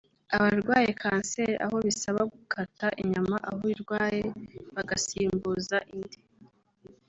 abarwaye ‘cancer’ aho bisaba gukata inyama aho irwaye bagasimbuza indi